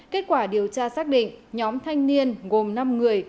kết quả điều tra xác định nhóm thanh niên gồm năm người